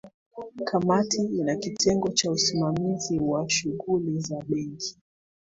kamati ina kitengo cha usimamizi wa shughuli za benki